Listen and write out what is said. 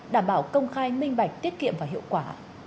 đảm bảo công khai minh bạch tiết kiệm và hiệu quả